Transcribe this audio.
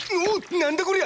何だこりゃ！